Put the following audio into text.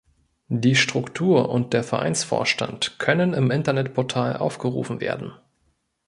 Die Struktur und der Vereinsvorstand können im Internetportal aufgerufen werden.